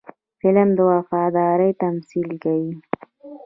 فلم د وفادارۍ تمثیل کوي